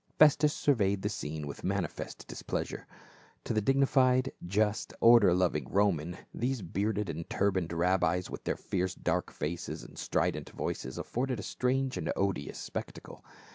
Festus surveyed the scene with manifest displeasure ; to the dignified, just, order loving Roman these bearded and turbaned rabbis with their fierce dark faces and strident voices afforded a strange and odious spectacle.